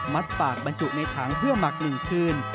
ปากบรรจุในถังเพื่อหมัก๑คืน